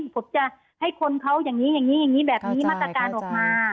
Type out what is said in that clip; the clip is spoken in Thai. ผมจะให้คนเขาอย่างนี้อย่างนี้อย่างนี้แบบนี้มาตรการออกมา